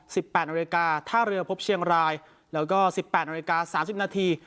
แปดนาฬิกาท่าเรือพบเชียงรายแล้วก็สิบแปดนาฬิกาสามสิบนาที